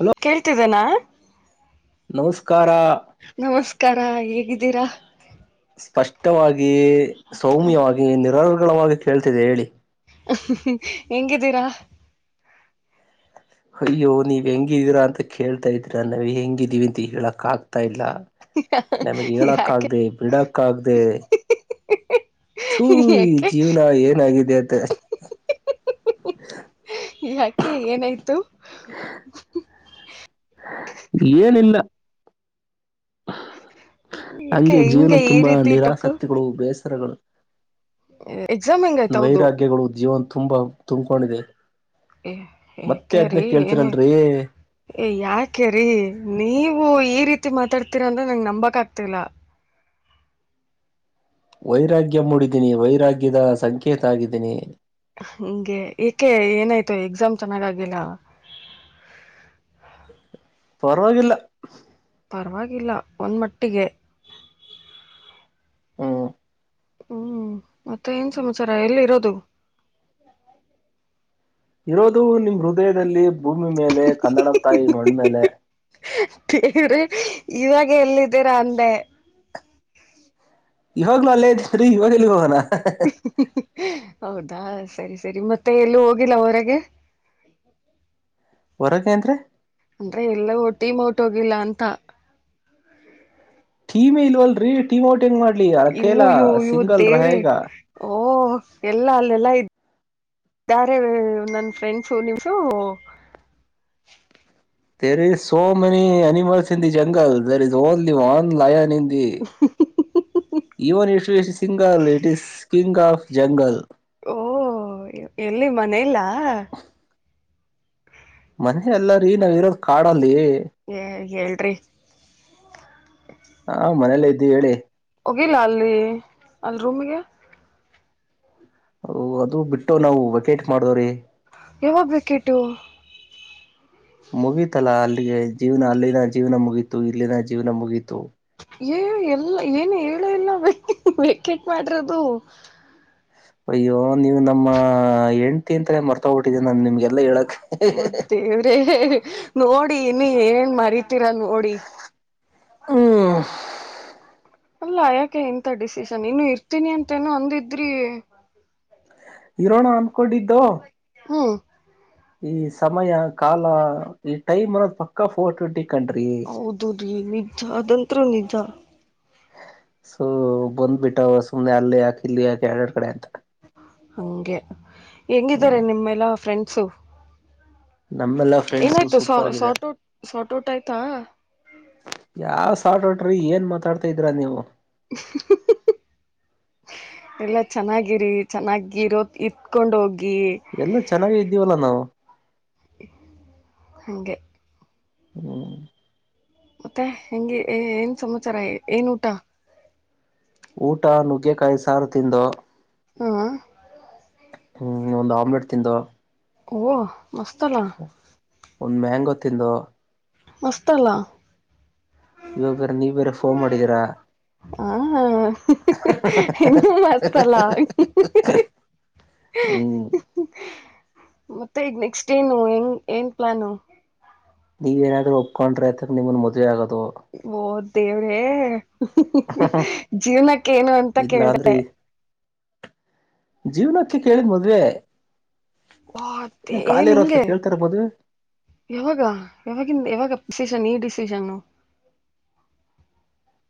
Hello ಕೇಳ್ತಿದ್ದನಾ ನಮಸ್ಕಾರ [inaudible] ನಮಸ್ಕಾರ ಹೇಗಿದ್ದೀರಾ ಸ್ಪಷ್ಟವಾಗಿ ಸೌಮ್ಯವಾಗಿ ನಿರರ್ಗಳವಾಗಿ ಕೇಳ್ತಿದೆ ಹೇಳಿ [unintelligible] ಎಂಗಿದ್ದೀರಾ ಅಯ್ಯೋ ನೀವ್ ಹೆಂಗಿದ್ದೀರಾ ಅಂತ ಕೇಳ್ತಾ ಇದೀರ ನಾವವು ಹೆಂಗಿದೀವಿ ಅಂತ ಹೇಳಕ್ ಆಗ್ತಾ ಇಲ್ಲ ನಮಗ್ ಹೇಳಕ್ಕ ಯಾಕೆ ಆಗದೆ ಬಿಡಕ್ಕ ಆಗದೆ ತೂಹು ಯಾಕೆ ಜೀವ್ನ ಏನಗಾಗಿದೆತ್ತ [unintelligible] [unintelligible] ಯಾಕೆ ಏನಾಯ್ತು ಏನಿಲ್ಲ ಯಾಕೆ ಹಂಗೆ ಜೀವನ ಹಿಂಗೆ ಈ ತುಂಬಾ ರೀತಿ ಟೊಕ್ಕು ನಿರಾಸಕ್ತಿಗಳು ಬೇಸರಗಳು ಎಕ್ಸಾಮ್ ಹೆಂಗಾಯ್ತು ಹೌದು ವೈರಾಗ್ಯಗಳು ಜೀವನ್ ತುಂಬಾ ತುಂಬ್ಕೊಂಡಿದೆ ಏ ಮತ್ತೆ ಅದ್ನ ಏಕರಿೀ ಏನಾಯ್ತು ಕೇಳ್ತಿರಲ್ರಿ ಏ ಯಾಕೆರಿೀ ನೀವು ಈ [unintelligible] [unintelligible] ರೀತಿ ಮಾತಾಡ್ತಿೀರಾ ಅಂದ್ರೆ ನಂಗ್ ನಂಬಕ್ ಆಗ್ತಿಲ್ಲ ವೈರಾಗ್ಯ ಮೂಡಿದ್ದೀನಿ ವೈರಾಗ್ಯದ ಸಂಕೇತ ಆಗಿದ್ದೀನಿ ಹಗೆ ಏಕೆ ಏನಾಯ್ತು ಎಕ್ಸಾಮ್ ಚೆನ್ನಾಗ ಆಗಿಲ್ಲ [inaudible] ಪರವಗಿಲ್ಲ ಪರವಾಗಿಲ್ಲ ಒಂದು ಮಟ್ಟಿಗೆ [inaudible] ಹ್ಮ ಹ್ಮ್ ಮತ್ತೆ ಏನ್ ಸಮಾಚಾರ ಎಲ್ಲಿ ಇರೋದು [inaudible] ಇರೋದು ನಿಮ್ ಹೃದಯದಲ್ಲಿ ಭೂಮಿ ಮೇಲೆ ಕನ್ನಡ ತಾಯಿ ಮಣ್ಮೇಲೆ [unintelligible] ಇವಾಗ ಎಲ್ಲಿದ್ದೀರ ಅಂದೇ ಇವಾಗ್ಲು ಅಲ್ಲೇ ಇದೀ [unintelligible] ಇವಾಗ ಎಲ್ಲಿಗೆ ಹೋಗಣ [unintelligible] ಹೌದು ಹಾ ಸರಿ ಸರಿ ಮತ್ತೆ ಎಲ್ಲೂ ಹೋಗಿಲ್ಲ ಹೊರಗೆ [inaudible] ಹೊರಗೆ ಏನ್ದ್ರೆ ಅಂದ್ರೆ ಎಲ್ಲ ಒಟೀಮ ಔಟ್ ಹೋಗಿಲ್ಲ ಅಂತ ಟೀಮ್ ಇಲ್ವಲ್ರರಿ ಟೀಮ್ ಔಟೆಂಗ್ ಮಾಡ್ಲಿ ಅಕೇಲ ಇವು ಇವು ಇವು ಸಿಂಗಲ್ ದೇವ್ರೇ ರಯೇಗಾ ಓ ಎಲ್ಲಾ ಅಲ್ಲೆಲ್ಲಾ ಇದ [unintelligible] [unintelligible] ಇದಾರೆ ನನ್ ಫ್ರೆಂಡ್ಸು ನಿಮ್ಸು there is so many animals in the jungle there is only one lion in [unintelligible] even it yeah is single it is king of jungle ಓ ಎಲ್ಲಿ ಮನಲ್ಲ ಮನೆ ಎಲ್ಲಾರೀ ನಾವ್ ಇರೋದ ಕಾಡಲ್ಲಿ ಏ ಹೇಳ್ರಿ [inaudible] ಹಾ ಮನೇಲ್ಲೇ ಇದ್ದೀ ಹೇಳಿ ಹೋಗಿಲ್ಲ ಅಲ್ಲಿ ಅಲ್ಲಿ ರೂಮಗೆ ಅದು ಬಿಟ್ಟು ನಾವು ವೆಕೇಟ್ ಮಾಡ್ದವ್ರೀ ಯಾವಾಗ ವಿಕೆಟು ಮುಗೀತಲ್ಲಾ ಅಲ್ಲಿಗೆ ಜೀವನ ಅಲ್ಲಿನ ಜೀವನ ಮುಗೀತು ಇಲ್ಲಿನ ಜೀವನ ಮುಗೀತು ಏ ಎಲ್ಲ ಏನು ಹೇಳ ಇಲ್ [unintelligible] ಬೇಕೆಟ್ ಮಾಡಿರೋದು ಅಯ್ಯೋ ನೀವು ನಮ್ಮ ಹೆಂಡ್ತಿ ಅಂತಲೇ ಮರ್ತೋಗ್ಬಿಟ್ಟಿದ್ದ ನಾನ ನಿಮ್ಗೆ [unintelligible] ಓದ ದೇವ್ರೆ ನೋಡಿ ಇನ್ನು ಏನೇನ್ ಮರಿತೀರ ನೋಡಿ. ಹ್ಮ್ ಅಲ್ಲ ಯಾಕೆ ಇಂತ ಡಿಸಿಷನ್ ಇನ್ನು ಇರ್ತೀನಿ ಅಂತೇನೊ ಅಂದಿದ್ರಿ. ಇರೋಣ ಅನ್ನಕೊಂಡಿದ್ದೋ. ಹ್ಮ್ ಈ ಸಮಯ ಕಾಲ ಈ ಟೈಮ್ ಅನ್ನೋದ್ ಪಕ್ಕ ಫೋರ್ ಟ್ವೆಂಟಿ. ಕಂಡ್ರಿ ಹೌದು ರೀ ನಿಜ ಅದಂತ್ರೂ ನಿಜ. ಸೊ ಬಂದ್ಬಿಟ್ಟವ ಸುಮ್ನೆ ಅಲ್ಲೆ ಯಾಕ ಇಲ್ಲಿ ಯಾಕೆ ಎರಡೆರಡ ಕಡೆ ಅಂತ. ಹಂಗೆ ಹೆಂಗಿದ್ದಾರೆ ಹ್ಮ್ ನಿಮ್ಮೆಲ್ಲಾ ಫ್ರೆಂಡ್ಸು. ನಮ್ಮೆಲ್ಲಾ ಫ್ರೆಂಡ್ಸು ಏನಾಯ್ತು ಸ ಸೂಪರ್ ಆಗಿದ್ದಾರೆ ಶಾರ್ಟ ಔಟ್ ಶಾರ್ಟ ಔಟ್ ಆಯ್ತಾ. ಯಾ ಸಾಟೋಟ್ರೀ ಏನ್ ಮಾತಾಡ್ತಿದೀರಾ ನೀವು. ಹ್ ಹ್ ಹ್ ಹ್ ಎಲ್ಲ ಚೆನ್ನಾಗಿರಿ ಚೆನ್ನಾಗಿರೋದ ಇತ್ಕೊಂಡ ಹೋಗಿ. ಎಲ್ಲ ಚೆನ್ನಾಗೆ ಇದ್ದೀವಲ್ಲಾ ನಾವು. ಹಂಗೆ ಹ್ಮ ಮತ್ತೆ ಹೆಂಗೆ ಏ ಏ ಏನ್ ಸಮಾಚಾರ ಏನ್ ಊಟ. ಊಟ ನುಗ್ಗೆಕಾಯಿ ಸಾರು ತಿಂದೋ. ಹಾ ಹ್ಮ್ ಒಂದ್ ಆಮ್ಲೆಟ್ ತಿಂದೊ. ಓ ಮಸ್ತಲ್ಲ. ತಿಂದೋ. ಮಸ್ತಲ್ಲ. ಇವಾಗ ಬೇರೆ ನೀವ್ ಬೇರೆ ಫೋನ್ ಮಾಡಿದೀರಾ. ಹಾ ಇನ್ನುೂ ಮಸ್ತ್ ಅಲ್ಲ ಹ್ಮ ಮತ್ತೆ ಈಗ್ ನೆಕ್ಸ್ಟ್ ಏನು ಹೆಂಗ್ ಏನ್ ಪ್ಲಾನು. ನೀವೇನಾದ್ರೂ ಒಪ್ಕೊಂಡ್ರೆ ತೀರ್ಗ ನಿಮ್ಮನ್ ಮದುವೆ ಆಗದು. ಓ ದೇವ್ರೇ. ಜೀವನಕ್ಕ ಏನು ಅಂತ ಇಲ್ಲ ಅಂದ್ರೆ ಕೇಳ್ದೆ. ಜೀವನಕ್ಕೆ ಕೇಳಿದ್ ಮದ್ವೆ. ವಾ ಟೆ ಏನ್ ಖಾಲಿ ಇರೋದಕ ಹಿಂಗೆ ಕೇಳ್ತಾರ ಮದ್ವೆ ಯಾವಾಗ ಯಾವಾಗಿಂದ ಯಾವಾಗ ಡಿಸಿಷನ್ ಈ ಡಿಸಿಷನ್ನು.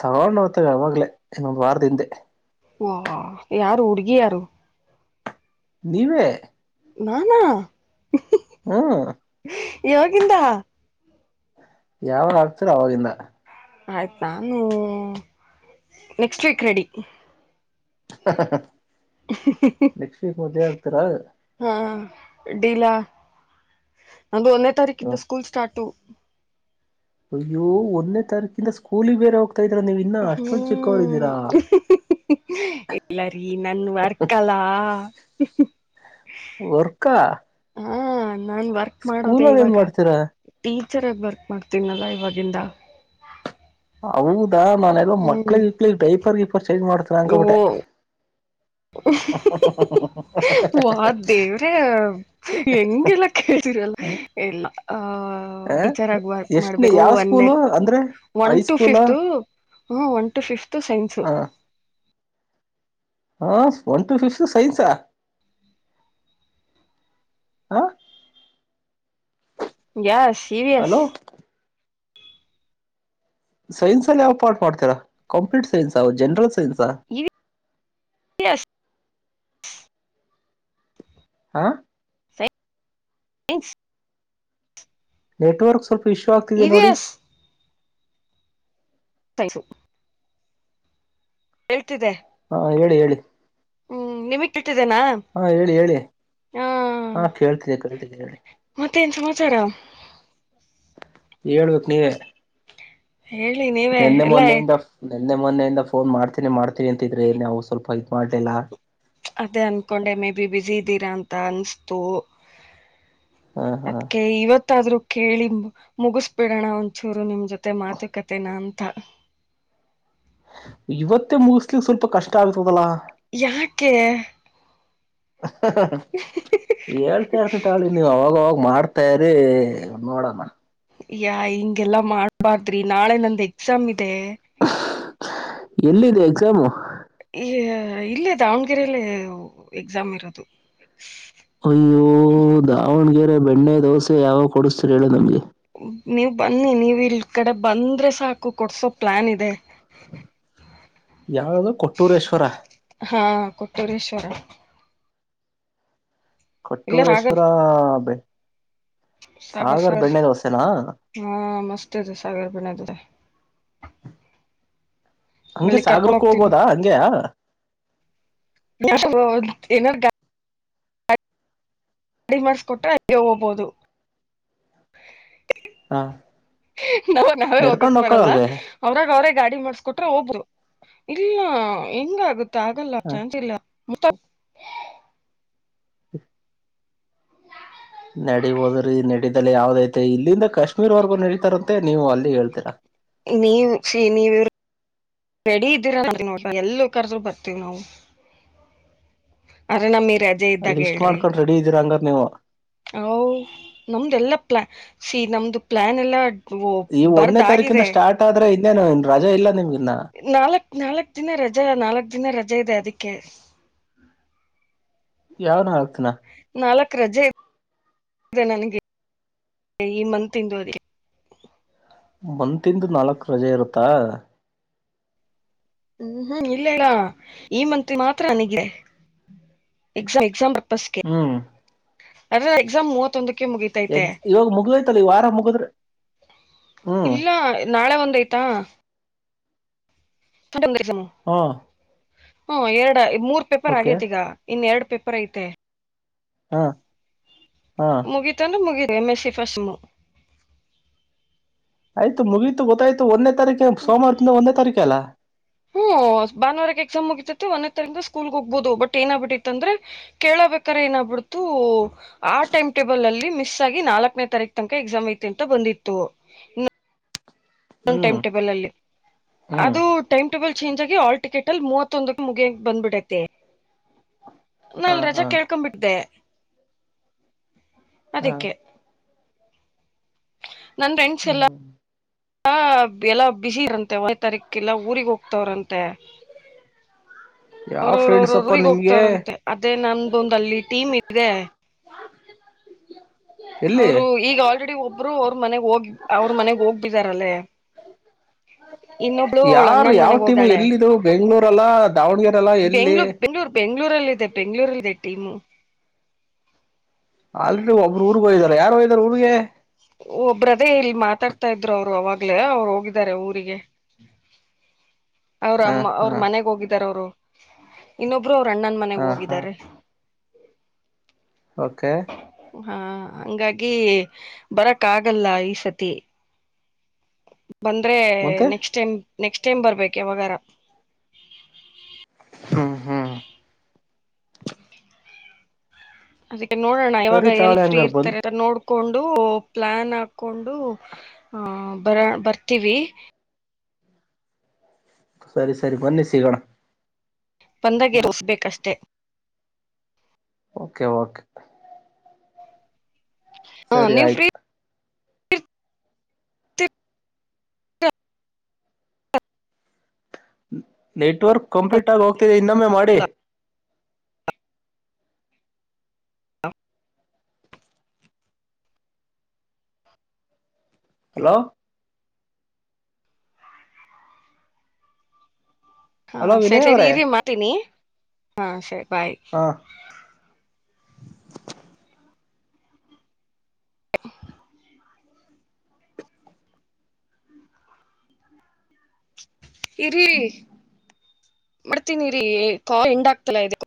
ತಗೊಂಡ ಆತಾಗೆ ಅವಗ್ಲೇ ಇನ್ನೊಂದು ವಾರದ ಹಿಂದೆ. ವಾ ಯಾರು ಹುಡ್ಗಿ ಯಾರು. ನೀವೇ ನಾನಾ. ಹ್ಮ್ ಯಾವಾಗಿಂದ. ಯಾವಾಗ ಆಗ್ತೀರಾ ಅವಾಗಿಂದ. ಆಯ್ತ ನಾನು ನೆಕ್ಸ್ಟ್ ವೀಕ್ ರೆಡಿ. ಹ್ ಹ್ ನೆಕ್ಸ್ಟ್ ವೀಕ್ ಮದ್ವೆ ಆಗ್ತೀರಾ. ಹಾ ಡೀಲಾ ನಂದು ಒನ್ನೆ ತಾರೀಕಿಂದ ಸ್ಕೂಲ್ ಸ್ಟಾರ್ಟು. ಅಯ್ಯೋ ಒನ್ನೆ ತಾರೀಕಿಂದ ಸ್ಕೂಲಿಗ ಬೇರೆ ಹೊ ಹ್ಮ್ ಇಲ್ಲಾರಿ ನನ್ ವರ್ಕಲಾ. ವರ್ಕಾ ಹಾ ನಾನ್ ವರ್ಕ್ ಮಾಡೋದೆ ಸ್ಕೂಲಲ್ಲಿ ಏನ್ ಇವಾಗ ಮಾಡ್ತೀರಾ ಟಿ ಟೀಚರ್ ಆಗ್ ವರ್ಕ್ ಮಾಡ್ತಿನಲ್ಲ ಇವಾಗಿಂದ. ಹೌದಾ ನಾನೇಲ್ಲೊ ಹ್ಮ್ ಮಕ್ಳಿಗಿ ಗಿಕ್ಲಿಗ್ ಡೈರ್ಪರ್ ಗಿಪರ್ ಚೇಂಜ್ ಮಾಡ್ತೀರಾ ಓ ಅನ್ನ್ಕಬಿಟ್ಟೆ. ಹ್ ವ ದೇವ್ರೆ ಹೆಂಗೆಲ್ಲ ಕೇಳ್ತಿೀರಲ್ ಎಲ್ಲಾ ಹ ಟೀಚರ್ ಆಗಿ ವರ್ಕ್ ಎಷ್ಟನೇ ಮಾಡ್ಬೇಕು ಯಾವ ಒ ಸ್ಕೂಲು ಅಂದ್ರೆ ಒನ್ ಟು ಹೈಸ್ಕೂಲ ಫಿಫತ್ ಹ್ಮ ಒನ್ ಟು ಫಿಫ್ತ್ ಸೈನ್ಸ ಹಾ ಒನ್ ಟು ಫಿಫ್ತ್ ಸೈನ್ಸಾ ಹ ಯ ಇರಿ ಎಸ್ ಹಲೋ ಸೈನ್ಸ್ ಅಲ್ಲಿ ಯಾವ್ ಪಾರ್ಟ್ ಮಾಡ್ತೀರಾ ಕಂಪ್ಯೂಟರ್ ಸೈನ್ಸ್ ಅವು ಜನರಲ್ ಸೈನ್ಸ್ ಈ ಹಾ ಸ್ ನೆಟ್ವರ್ಕ್ ಸ್ವಲ್ಪ ಇಶ್ಯೂ ಆಗ್ತಿದೆ ಇ ವಿ ನೋಡಿ ಎಸ್ ಸೈಸು ಹೇಳ್ತಿದೆ ಹಾ ಹೇಳಿ ಹೇಳಿ ಹ್ಮ್ ನಿಮ ಹಾ ಹೇಳಿ ಹೇಳಿ ಹಾ ಕೇಳ್ತಿದ್ದಿ ಕೇತಿದ್ದಿ ಹೇಳಿ ಮತ್ತೇನ್ ಸಮಾಚಾರ [unintelligible] ಹೇಳ್ಬೇಕಕ್ು ನೀವೇ ಹೇಳಿ ನೀವೇ ನಿನ್ನೆ ಎಲ್ಲ ಮೊನ್ನೆ ನಿನ್ನೆ ಮೊನೆಯಿಂದ ಫೋನ್ ಮಾಡ್ತೀನಿ ಮಾಡ್ತೀನಿ ಅಂತಿದ್ರೆ ನಾವು ಸ್ವಲ್ಪ ಇದ್ ಮಾಡ್ಲಿಲ್ಲಾ ಅದೇ ಅನ್ಕೊಂಡೆ ಮೇ ಬಿ ಬಿಸ ಇದ್ದೀರಾ ಅಂತ ಅನ್ಸ್ತು ಹಾ ಹಾ ಅದ್ಕ ಇವತ್ತಾದ್ರೂ ಕೇಳಿ ಮುಗಿಸಬಿಡೋಣ ಒಂಚೂರು ನಿಮ್ ಜೊತೆ ತ್ತೆ ಮಾತು ಕತೆ ನ ಅಂತ ಇವತ್ತೇ ಮುಗಿಸ್ಲಿಕ್ಕೆ ಸ್ವಲ್ಪ ಕಷ್ಟ ಆಗ್ತದಲ್ಲಾ ಯಾಕೆ ಹೇಳ್ತಾ ಇರ್ತಿ ತಾಳಿ ನೀವು್ ಅವಾಗ ಮಾಡ್ತಾ್ರ ನೋಡೋಣ ಯ ಹಿಂಗೆಲ್ಲಾ ಮಾಡ್ಬಾರ್ದ ಿ ನಾಳೆ ನಂದು ಎಕ್ಸಾಮ್ ಇದೆ ಜಮ್ಮು ಇಲ್ಲೇ ದಾವಣ್ಗೆರಲ್ಲ ಎಕ್ಸಾಮ್ ಇರೋದು ಅಯ್ಯೋ ದಾವಣಗೆರೆ ಬೆಣ್ಣೆ ದೋಸೆ ಯಾವ ಕೊಡಿಸತರಿ ಹೇಳು ನಮ್ಗೆ ನೀವ್ ಬನ್ನಿ ನೀವ್ ಇಲ್ ಕಡೆ ಬಂದ್ರೆ ಸಾಕು ಕೊಡ್ಸೋ ಪ್ಲಾನ್ ಇದೆ ಹ್ಮ ಯಾವ್ದೋ ಕೊಟ್ಟೂರೇಶ್ವರ ಹಾ ಕೊಟ್ಟೂರೇಶ್ವರ ಕೊಟ್ಟೂರೇಶ್ವರಬೇ ಸಾಗರ ಸಾಗರ್ ಹಾ ಮಸ್ತ್ ಇತೆ ಸಾಗರ ಬಣತದೆ ಹಂಗೆ ಅಲ್ಲಿ ಕರ್ಕೊಂಡ್ ಸಾಗರಕ್ಕ ಹೋಗ್ತೀನಿ ಹೋಗ್ಬೋದಾ ಹಂಗ್ಯಾ ಯ ಏನ ರಡಿ ಮಾಡಸ್ಕೊಟ್ರೆ ಹಂಗೆ ಹೋಗಬೋದು. ನಾವ ನಾವೇ ಹೋಗಕ್ ನಡ್ಕೊಂಡ್ ಬರಲ್ಲ ಹೋಗಕ್ಕಾಗಲ್ವೇ ಅವ್ರಾಗ ಅವರೆ ಗಾಡಿ ಮಾಡಸ್ಕೊಟ್ರೆ ಹೋಗಬರು ಇಲ್ಲ ಹೆಂಗ ಆಗುತ್ತೆ ಆಗಲ್ಲ ಚಾನ್ಸ್ ಇಲ್ಲ ಮತ್ತ ಹ ನಡಬೋದ್ರೀ ನಡೀಲ್ಲ ಯಾವ್ದ ಐತೆ ಇಲ್ಲಿಂದ ಕಾಶ್ಮೀರ್ವರೆಗೂ ನಡೀತಾರಂತ ಮೆ ನೀವು ಅಲ್ಲಿ ಹೇಳ್ತೀರಾ ನೀವು ಶ ನೀವು ರೆಡಿ ಇದ್ದೀರ ನೋ ಎಲ್ಲ ಕರ್ದರು ಬರ್ತೀವಿ ನಾವು ಅ್ರ ನಮ್ಮ ರಜೆ ಅಲ್ಲಿ ಇದ್ದಾಗ ಲಿಸ್ಟ್ ಹೇಳ್ರಿ ಮಾಡ್ಕೊಂಡು ರೆಡಿ ಇದೀರ ಹಂಗಾರ ನೀವು ಅ ನಮ್ದ ಎಲ್ಲ ಪ್ಲಾ ಸಿ ನಮ್ದು ಪ್ಲಾನ್ ಎಲ್ಲ ಈ ಒನ್ನೇ ತಾರೀಕಿಂದ ಸ್ಟಾರ್ಟ್ ಆದ್ರೆ ಇನ್ನೇನು ರಜಾ ಇಲ್ಲ ನಿಮ್ಗೆ. ನಾಲ್ಕ ನಾಲ್ಕ್ ದಿನ ರಜಾ ನಾಲ್ಕ್ ದಿನ ರಜೆ ಇದೆ ಅದಕ್ಕೆ. ಯಾವ್ ನಾಲ್ಕ ದಿನಾ. ನಾಲ್ಕ ರಜೆ ಇದೆ ನನಗೆ. ಈ ಮಂತ್ ಇಂದು ರಿ. ಮಂತಿಂದು ನಾಲ್ಕ್ ರಜೆ ಇರುತ್ತಾ. ಹ್ಮ್ ಹ್ಮ್ ಇಲ್ಲಲ್ಲ ಈ ಮಂತ್ ಮಾತ್ರ ನನಿಗೆ ಎಸ ಎಕ್ಸಾಮ್ ಬರ್ ಹ್ಮ್ ಅದ್ರೆ ಎಕ್ಸಾಮ್ ಮೂವತ್ತೊಂದಕ್ಕ ಎ ಇವಾಗ ಮುಗದೈತಲ್ಲ ಈ ವಾರ ಮುಗುದ್ರ ಇಲ್ಲ ನಾಳೆ ಒಂದೈತಾ ಒಂದ್ ಎಕ್ಸಾಮು ಹಾ ಹ್ಮ್ ಎರಡ್ ಮೂರ್ ಪೇಪರ್ ಓಕೆ ಆಗೇತಿ ಈಗ ಇನ್ನ್ ಎರಡ್ ಪೇಪರ್ ಐತೆ ಹಾ ಹಾ ಮುಗಿತಂದ್ರೆ ಮುಗೀತ್ ಎಮೆಸಿ ಫಸ್ ಸೆಮ್ಮು. ಆಯ್ತು ಮುಗೀತು ಗೊತ್ತಾಯ್ತು ಒನ್ನೇ ತಾರೀಕ ಸೋಮವಾರದಿಂದ ಒನ್ನೇ ತಾರೀಖೆ ಅಲಾ. ಹ್ಮ್ ಭ ಬಾನುವಾರಕ್ಕ ಎಕ್ಸಾಮ್ ಮೂಗಿತೇತಿ ಒನ್ನೇ ತಾರಿನಿಂದ ಸ್ಕೂಲ್ ಹೋಗಬೋದು ಬಟ್ ಏನಾಗ್ ಬಿಟ್ಟಿತ್ತ್ ಅಂದ್ರೆ ಕೇಳ ಬೇಕಾರೆ ಏನ ಬಿಡ್ತು ಆ ಟೈಮ್ ಟೇಬಲ್ ಅಲ್ಲಿ ಮಿಸ್ ಆಗಿ ನಾಲ್ಕನೇ ತಾರೀಕ್ ತನಕ ಎಕ್ಸಾಮ್ ಐತಿ ಅಂತ ಬಂದಿತ್ತು. ನ ಇನ್ನೊಂದ್ ಹ್ಮ್ ಟೈಮ್ ಟೇಬಲ್ ಅಲ್ಲಿ ಹ್ಮ್ ಅದು ಟೈಮ್ ಟೇಬಲ್ ಚೇಂಜ್ ಆಗಿ ಆ ಟಿಕೆಟ್ ಅಲ್ಲಿ ಮೂವತ್ತೊಂದುಕ್ಕ ಮುಗಿಯಕ್ಕ ಬಂದ್ಬಿಡೈತೆ. ಹಾ ನಾಲ್ ರಜಾ ಹಾ ಕೇಳ್ಕೊ ಬಿಟ್ಟೆ. ಹಾ ಅದೀಕ್ಕೆ. ನನ್ನ ಫ್ರೆಂಡ್ಸ್ ಎಲ್ಲ ಹ್ಮ್ ಹ ಎಲ್ಲಾ ಬಿಸಿ ಇರಂತೆ ಒನ್ನೇ ತಾರೀಕೆಲ್ಲ ಊರಿಗ್ ಹೋಗ್ತವ್ರಂತೆ. ಯಾವ ಅವ್ರವ್ರ ಅವ್ರ ಫ್ರೆಂಡ್ಸ್ ಅಪ್ಪ ಊರಿಗ್ ನಿಮ್ಗೆ ಹೋಗ್ತವ್ರಂತೆ ಅದೇ ನಂದೊಂದ್ ಅಲ್ಲಿ ಟೀಮ್ ಇದ್ರೆ [inaudible] ಎಲ್ಲಿ ಅವರು ಈಗ ಆಲ್ರೆಡಿ ಒಬ್ರು ಅವ್ರ ಮನೆಗ್ ಹೋಗ್ ಅವ್ರ ಮನೆಗ್ ಹೋಗ್ಬಿಟ್ಟಿದ್ದಾರ್ ಆಗ್ಲೇ. [unintelligible] ಇನ್ನೊಬ್ಳು ಅವಳು ಯಾರು ಅಣ್ಣನ್ ಯಾವ ಮನೆಗ್ ಟೀಮು ಹೋಗಾಳೆ ಎಲ್ಲಿದು ಬೆಂಗ್ಳೂರ್ ಅಲ್ಲ ದಾವಣಗೆರೆ ಅಲ್ಲ ಬೆಂಗ್ಳೂರ್ ಎಲ್ಲಿ ಬೆಂಗ್ಳೂರ್ ಬೆಂಗ್ಳೂ ಬೆಂಗ್ಳೂರ್ ಬೆಂಗ್ಳೂರಲ್ಲಿ ಇದೆ ಬೆಂಗಳೂರಲ್ಲಿದೆ ಟೀಮು. ಆಲ್ರೆಡಿ ಒಬ್ರು ಊರ್ಗ ಹೋಗಿದಾರ ಯಾರ ಹೋಗಿದಾರೆ ಊರ್ಗೆ. ಒಬ್ರದೇ ಇಲ್ಲಿ ಮಾತಾಡ್ತಾ ಇದ್ರು ಅವ್ರು ಅವಾಗ್ಲೇ ಅವ್ರು ಹೋಗಿದ್ದಾರೆ ಊರಿಗೆ. ಅವ್ರ ಹ ಅಮ್ಮ ಹ ಅವ್ರ ಮನೆಗ್ ಹೋಗಿದಾರ ಅವರು ಇನ್ನೊಬ್ರು ಅವ್ರ ಅಣ್ಣನ ಮನೆಗ್ ಹ ಹ ಹೋಗಿದ್ದಾರೆ. ಓಕೆ. ಹಾ ಹಂಗಾಗಿ ಬರಕ್ ಆಗಲ್ಲ ಈ ಸತಿ. ಬಂದ್ರೆ ಮತ್ತೆ ನೆಕ್ಸ್ಟ್ ಟೈಮ್ ನೆಕ್ಸ್ಟ್ ಟೈಮ್ ಬರ್ಬೇಕೆ ಯವಾಗಾರ ಹ್ಮ ಹ್ಮ ಅದಕ್ಕೆ ನೋಡೋಣ ಇವಾಗ ಸರಿ ಎಲ್ ತಾಳೆ ಫ್ರೀ ಹಂಗಾರ ಬಂದ್ ಇರ್ತಾರೆ ನೋಡ್ ಹಾಕೊಂಡು ಪ್ಲಾನ್ ಹಾಕೊಂಡು ಆ ಬರ ಬರ್ತೀವಿ. ಸರಿ ಸರಿ ಬನ್ನಿ ಸಿಗೋಣ. ಬಂದಾಗೆ [unintelligible] ಅಷ್ಟೇ. Okay okay. ಹ ಸರಿ ನೀವ್ ಫ್ರೀ ಆಯ್ತು. ಇರ್ತೀರಲ್ಲ. ನೆಟ್ವರ್ಕ್ ಕಂಪ್ಲೀಟ್ ಆಗ ಹೋಗ್ತಿದೆ ಇನ್ನೊಮ್ಮೆ ಮಾಡಿ. ಹಲೋ. ಹಾ ಹಲೋ ಸರಿ ವಿನಯ್ ಸರಿ ಅವ್ರೇ ಇರಿ ಮಾಡ್ತನಿ ಹಾ ಸರಿ. ಬಾಯ್ ಹಾ [unintelligible] ಇರಿ ಮಾಡ್ತೀನಿರಿೀ ಕಾಲ್ ಹೆಂಡಾಗಗ್ತಲ್ಲ ಇದ